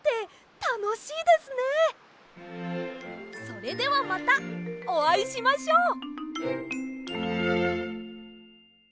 それではまたおあいしましょう。